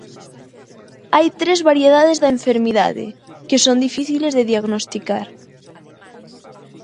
Hai tres variedades da enfermidade, que son difíciles de diagnosticar.